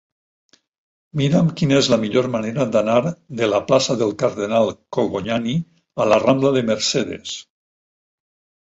Mira'm quina és la millor manera d'anar de la plaça del Cardenal Cicognani a la rambla de Mercedes.